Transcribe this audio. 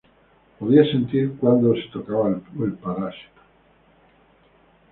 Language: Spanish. Podía sentir cuando se tocaba al parásito.